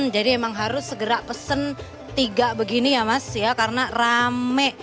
jadi emang harus segera pesen tiga begini ya mas ya karena rame